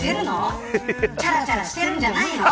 チャラチャラしているんじゃないの。